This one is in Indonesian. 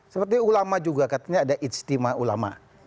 seperti ulama juga katanya ada ijtima ulama